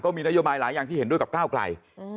มีนโยบายหลายอย่างที่เห็นด้วยกับก้าวไกล